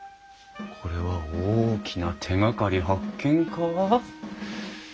これは大きな手がかり発見か？